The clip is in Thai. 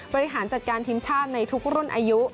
บริหารจัดการทีมชาติในทุกรุ่นอายุ